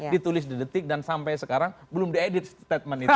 ditulis di detik dan sampai sekarang belum diedit statement itu